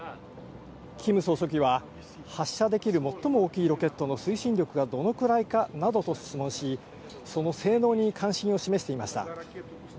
キム総書記は、発射できる最も大きいロケットの推進力はどのくらいかなどと質問し、その性能に関心を示していました。